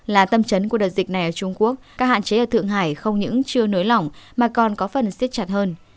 là tâm trấn của đợt dịch này ở trung quốc các hạn chế ở thượng hải không những chưa nới lỏng mà còn có phần siết chặt hơn